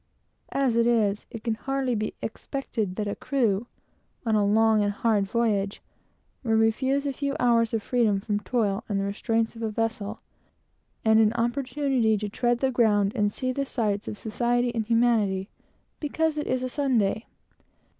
As it is, it can hardly be expected that a crew, on a long and hard voyage, will refuse a few hours of freedom from toil and the restraints of a vessel, and an opportunity to tread the ground and see the sights of society and humanity, because it is on a Sunday.